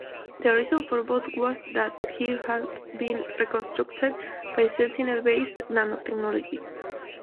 The reason for both was that he had been reconstructed by Sentinel-based nanotechnology.